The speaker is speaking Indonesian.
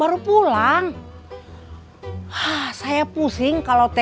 adalah hearts nature